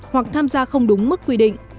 hoặc tham gia không đúng mức quy định